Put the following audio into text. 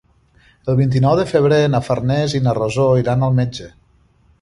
El vint-i-nou de febrer na Farners i na Rosó iran al metge.